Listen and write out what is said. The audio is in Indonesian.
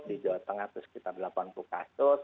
di jawa tengah itu sekitar delapan puluh kasus